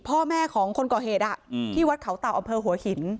พ่อแม่ของคนก่อเหตุที่วัดเขาเต่าอำเภอหัวหิน